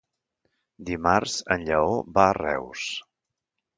Dimarts en Lleó va a Reus.